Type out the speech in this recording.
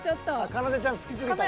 かなでちゃん好きすぎたか。